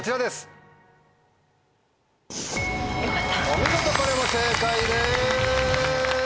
お見事これも正解です！